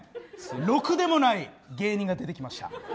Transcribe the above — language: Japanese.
ろくでもない芸人が出てきました。